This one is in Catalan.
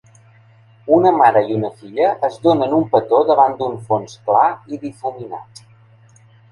Una mare i una filla es donen un petó davant d'un fons clar i difuminat.